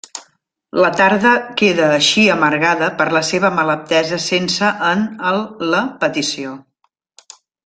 La tarda queda així amargada per la seva malaptesa sense en el la petició.